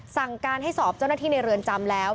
สั่งการให้สอบเจ้าหน้าที่ในเรือนจำแล้ว